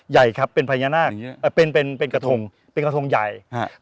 ใหญ่ครับเป็นพญานาคเอ่อเป็นเป็นกระทงเป็นกระทงใหญ่ฮะ